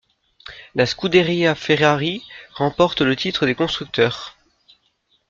La Scuderia Ferrari remporte le titre des constructeurs.